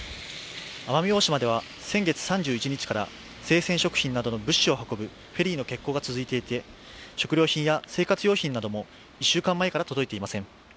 奄美大島では先月３１日から、生鮮食品などの物資を運ぶフェリーの欠航が続いていて食料品や生活用品なども１週間前から届いていません。